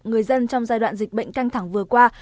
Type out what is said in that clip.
người dân trong giai đoạn dịch bệnh căng thẳng vừa qua